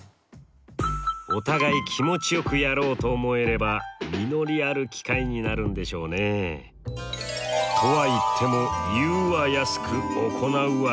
お互い気持ちよくやろうと思えれば実りある機会になるんでしょうね。とは言っても「言うは易く行うは難し」。